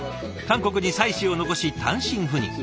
韓国に妻子を残し単身赴任。